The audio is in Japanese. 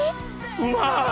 うまい！